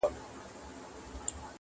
د اوبو وږي نهنگ یوه گوله کړ!